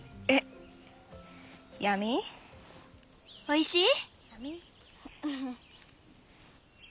おいしい？